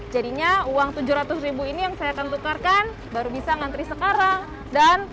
jadinya uang tujuh ratus ini yang saya akan tukarkan baru bisa ngantri sekarang dan